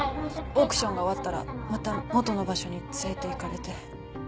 オークションが終わったらまた元の場所に連れていかれて。